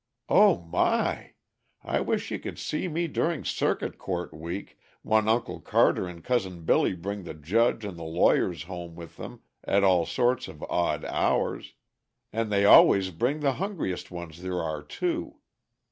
"O my! I wish you could see me during circuit court week, when Uncle Carter and Cousin Billy bring the judge and the lawyers home with them at all sorts of odd hours; and they always bring the hungriest ones there are too.